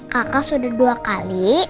kakak sudah dua kali